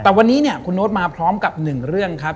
แต่วันนี้เนี่ยคุณโน๊ตมาพร้อมกับหนึ่งเรื่องครับ